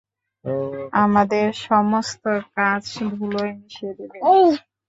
আমাদের সমস্ত কাজ ধূলোয় মিশিয়ে দেবে?